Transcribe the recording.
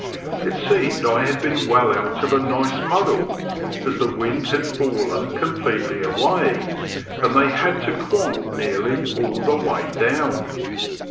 It seemed I had been well out of a nice muddle, as the wind had fallen completely away, and they had had to quant nearly all the way down.